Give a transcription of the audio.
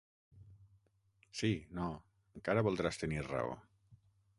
Sí, no: encara voldràs tenir raó!